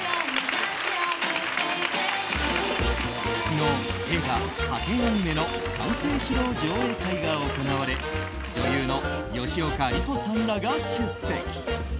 昨日映画「ハケンアニメ！」の完成披露上演会が行われ女優の吉岡里帆さんらが出席。